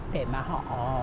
để mà họ